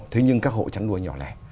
thế nhưng các hộ chân nuôi nhỏ lẻ